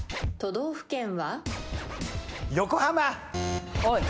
都道府県は？